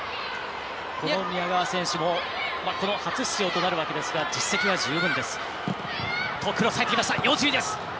この宮川選手も初出場となりますが実績は十分です。